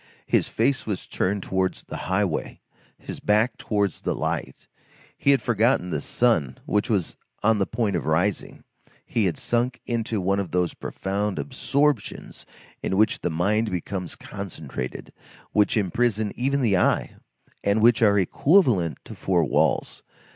His face was turned towards the highway, his back towards the light; he had forgotten the sun which was on the point of rising; he had sunk into one of those profound absorptions in which the mind becomes concentrated, which imprison even the eye, and which are equivalent to four walls.